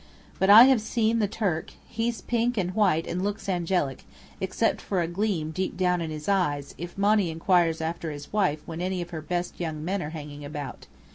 But I have seen the Turk. He's pink and white and looks angelic, except for a gleam deep down in his eyes, if Monny inquires after his wife when any of her best young men are hanging about.